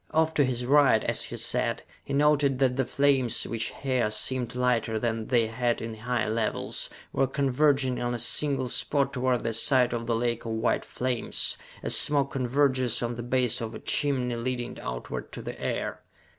Off to his right, as he sat, he noted that the flames, which here seemed lighter than they had in high levels, were converging on a single spot toward the side of the lake of white flames as smoke converges on the base of a chimney leading outward to the air!